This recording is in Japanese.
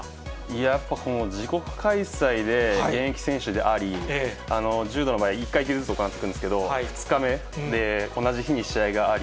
やっぱりこの自国開催で、現役選手であり、柔道の場合、１階級ずつ行っていくんですけど、２日目で同じ日に試合があり、